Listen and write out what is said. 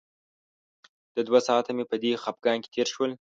د دوه ساعته مې په دې خپګان کې تېر شول.